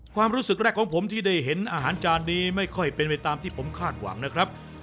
ความรู้สึกแรกของผมที่ได้เห็นอาหารจานนี้ไม่ค่อยเป็นไปตามที่ผมคาดหวังนะครับ